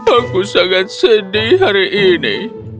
aku sangat sedih hari ini